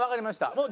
もう。